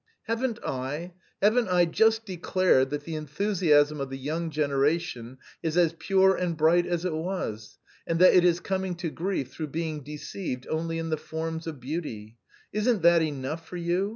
"Haven't I, haven't I just declared that the enthusiasm of the young generation is as pure and bright as it was, and that it is coming to grief through being deceived only in the forms of beauty! Isn't that enough for you?